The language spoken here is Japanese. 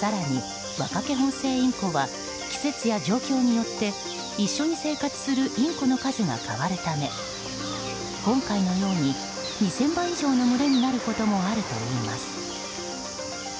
更にワカケホンセイインコは季節や状況によって一緒に生活するインコの数が変わるため今回のように２０００羽以上の群れになることもあるといいます。